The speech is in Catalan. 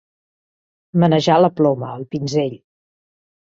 Manejar la ploma, el pinzell.